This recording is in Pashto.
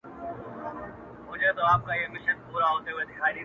• تیارې به تر ابده د دې غرونو په خوا نه وي -